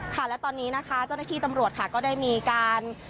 ค่ะและตอนนี้นะคะเจ้าหน้าที่ตำรวจค่ะก็ได้มีการ